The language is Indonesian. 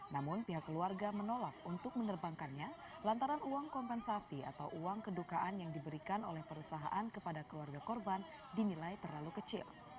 namun pihak keluarga menolak untuk menerbangkannya lantaran uang kompensasi atau uang kedukaan yang diberikan oleh perusahaan kepada keluarga korban dinilai terlalu kecil